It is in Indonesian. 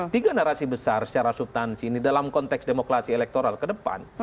tiga narasi besar secara subtansi ini dalam konteks demokrasi elektoral ke depan